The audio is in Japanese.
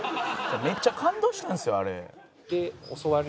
めっちゃ感動したんですよあれ。